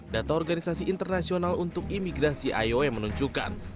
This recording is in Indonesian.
data organisasi internasional untuk imigrasi iom menunjukkan